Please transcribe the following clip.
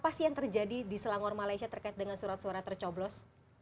apa sih yang terjadi di selangor malaysia terkait dengan surat suara tercoblos